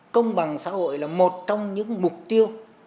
công bằng xã hội là một trong những mục tiêu